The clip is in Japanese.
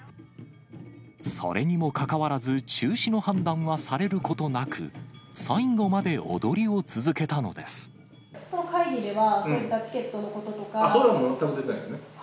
それにもかかわらず、中止の判断はされることなく、会議では、そういったチケッそれは全く出てないですね。